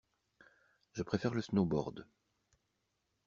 Je préfère le snowboard.